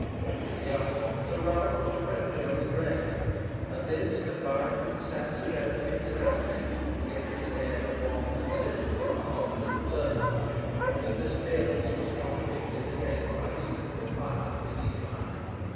Though still young, Sir Ralph was prematurely grey, and this, combined with the sad severity of his aspect, gave him the air of one considerably past the middle term of life, though this appearance was contradicted again by the youthful fire of his eagle eye.